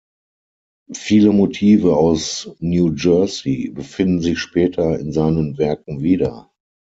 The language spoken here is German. Viele Motive aus New Jersey finden sich später in seinen Werken wieder.